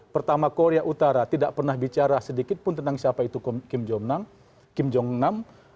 pertama korea utara tidak pernah bicara sedikit pun tentang siapa itu kim jong nam